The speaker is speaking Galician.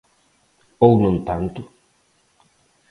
Ou non tanto.